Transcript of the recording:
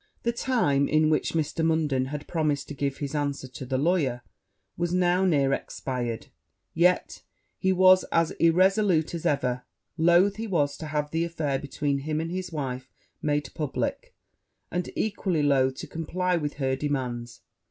The time in which Mr. Munden had promised to give his answer to the lawyer was now near expired; yet he was as irresolute as ever: loath he was to have the affair between him and his wife made publick, and equally loath to comply with her demands.